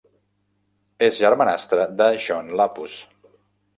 És germanastre de John Lapus.